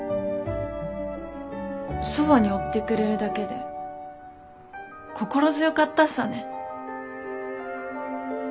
そばにおってくれるだけで心強かったさね。